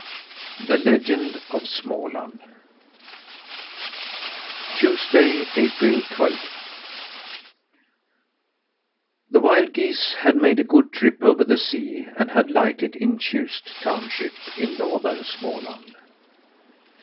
THE LEGEND OF SMÅLAND Tuesday, April twelfth. The wild geese had made a good trip over the sea, and had lighted in Tjust Township, in northern Småland.